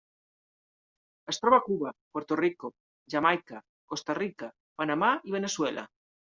Es troba a Cuba, Puerto Rico, Jamaica, Costa Rica, Panamà i Veneçuela.